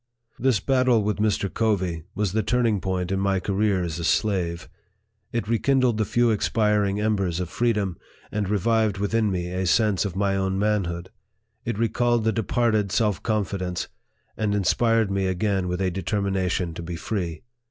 This battle with Mr. Covey was the turning point in my career as a slave. It rekindled the few expiring embers of freedom, and revived within me a sense of my own manhood. It recalled the departed self con fidence, and inspired me again with a determination to be free.